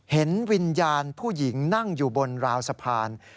เห็นวิญญาณผู้หญิงนั่งอยู่บนราวสะพาน